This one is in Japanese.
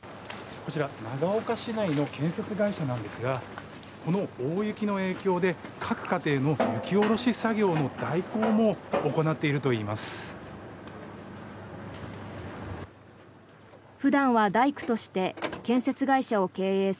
こちら長岡市内の建設会社なんですがこの大雪の影響で各家庭の雪下ろし作業の代行も行っているといいます。